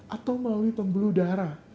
atau melalui pembuluh darah